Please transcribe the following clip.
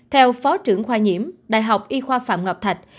theo phó trưởng khoa nhiễm đh y khoa phạm ngọc thạch